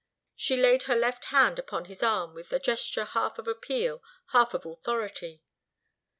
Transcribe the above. She laid her left hand upon his arm with a gesture half of appeal, half of authority.